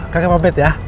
kakek mampet ya